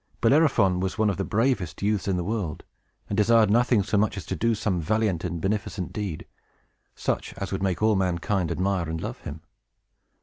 Bellerophon was one of the bravest youths in the world, and desired nothing so much as to do some valiant and beneficent deed, such as would make all mankind admire and love him.